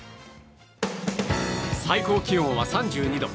最高気温は３２度。